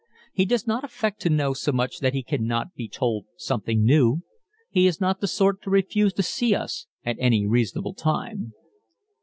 He doesn't affect to know so much that he cannot be told something new. He is not the sort to refuse to see us at any reasonable time.